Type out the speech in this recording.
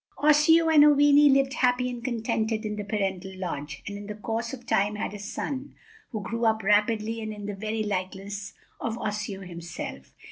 Osseo and Oweenee lived happy and contented in the parental lodge, and in the course of time had a son, who grew up rapidly and in the very likeness of Osseo himself.